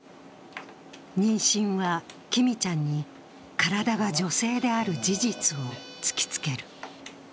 妊娠は、きみちゃんに体が女性である事実を突きつける。